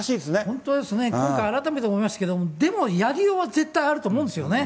本当ですね、今回改めて思いましたけど、でもやりようは絶対あると思うんですよね。